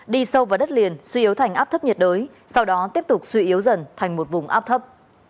đi sâu vào đất liền suy yếu thành áp thấp nhiệt đới sau đó tiếp tục suy yếu dần thành một vùng áp thấp